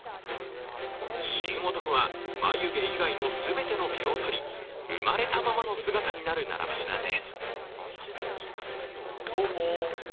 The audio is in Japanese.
神男は、眉毛以外の全ての毛をそり生まれたままの姿になる習わしなんです。